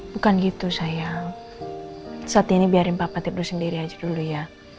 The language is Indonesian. bukan gitu saya saat ini biarin bapak tidur sendiri aja dulu ya